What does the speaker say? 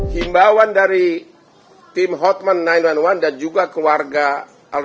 kepada camat kepala desa dan seluruh warga desa